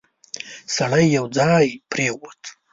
سړی یو ځای پرېووت.